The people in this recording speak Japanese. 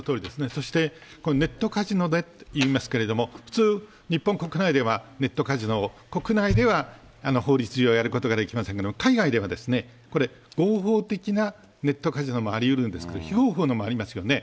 そしてネットカジノでっていいますけれども、普通、日本国内では、ネットカジノ、国内では法律上やることができませんけど、海外では、これ、合法的なネットカジノもありうるんですけど、非合法のもありますよね。